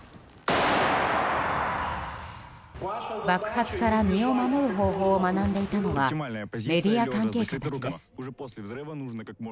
爆発から身を守る方法を学んでいたのはメディア関係者たちです。